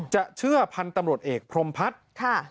เชื่อพันธุ์ตำรวจเอกพรมพัฒน์